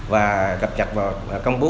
và gặp nhập và công bố